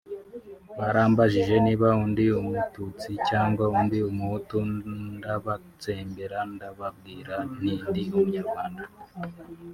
barambajije niba ndi Umututsi cyangwa ndi Umuhutu ndabatsembera ndababwira nti ndi Umunyarwanda